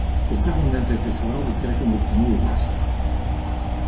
Op dit moment heeft dit vooral betrekking op de nieuwe lidstaten.